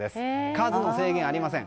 数の制限、ありません。